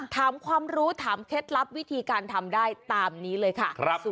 ถามความรู้ถามเคล็ดลับวิธีการทำได้ตามนี้เลยค่ะ